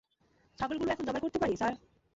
ছাগলগুলো এখন জবাই করতে পারি, স্যার?